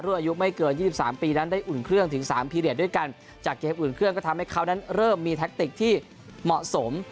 อายุไม่เกินยี่สิบสามปีนั้นได้อุ่นเครื่องถึงสามพีเรียสด้วยกันจากเกมอื่นเครื่องก็ทำให้เขานั้นเริ่มมีแท็กติกที่เหมาะสม